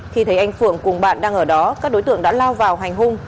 khi thấy anh phượng cùng bạn đang ở đó các đối tượng đã lao vào hành hung